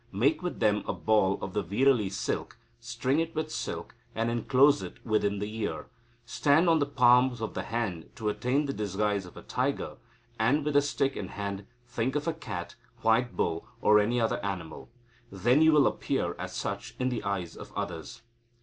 Make with them a ball of the veerali silk, string it with silk, and enclose it within the ear. Stand on the palms of the hand to attain the disguise of a tiger, and, with the stick in hand, think of a cat, white bull, or any other animal. Then you will appear as such in the eyes of others.